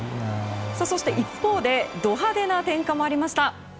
そして一方でド派手な点火もありました。